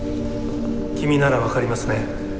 君なら分かりますね？